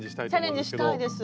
チャレンジしたいです！